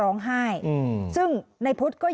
มึงอยากให้ผู้ห่างติดคุกหรอ